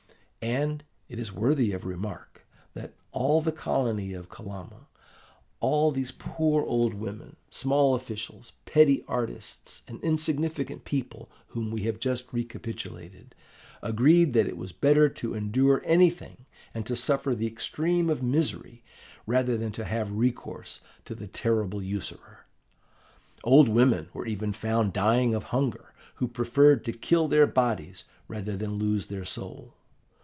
And it is worthy of remark, that all the colony of Kolomna, all these poor old women, small officials, petty artists, and insignificant people whom we have just recapitulated, agreed that it was better to endure anything, and to suffer the extreme of misery, rather than to have recourse to the terrible usurer. Old women were even found dying of hunger, who preferred to kill their bodies rather than lose their soul.